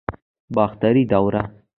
باختري دوره